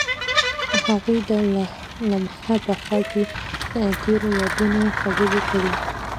هغوی د لمحه په خوا کې تیرو یادونو خبرې کړې.